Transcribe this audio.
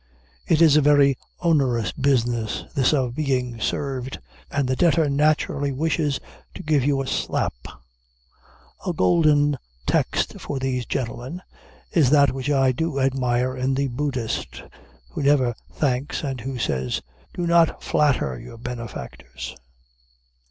It is a very onerous business, this of being served, and the debtor naturally wishes to give you a slap. A golden text for these gentlemen is that which I so admire in the Buddhist, who never thanks, and who says, "Do not flatter your benefactors."